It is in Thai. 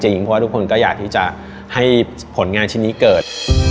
เพราะว่าทุกคนก็อยากที่จะให้ผลงานชิ้นนี้เกิด